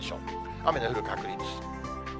雨の降る確率。